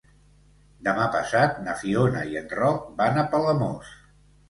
Demà passat na Fiona i en Roc van a Palamós.